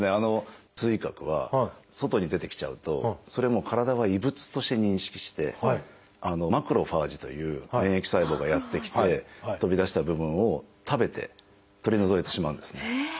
髄核は外に出てきちゃうとそれもう体が異物として認識して「マクロファージ」という免疫細胞がやって来て飛び出した部分を食べて取り除いてしまうんですね。